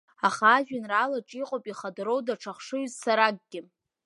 Аха ажәеинраалаҿы иҟоуп ихадароу даҽа хшыҩ-зцаракгьы…